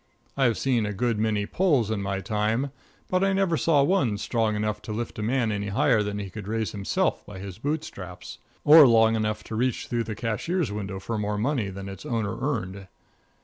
I've seen a good many pulls in my time, but I never saw one strong enough to lift a man any higher than he could raise himself by his boot straps, or long enough to reach through the cashier's window for more money than its owner earned.